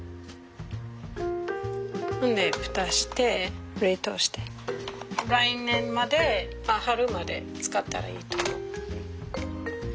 ほんで蓋して冷凍して来年まで春まで使ったらいいと思う。